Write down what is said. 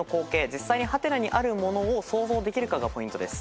実際に「？」にあるものを想像できるかがポイントです。